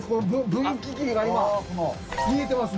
分岐器が今見えてますね！